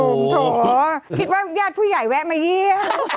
โหคิดว่ายาดผู้ใหญ่แวะมาเยี่ยม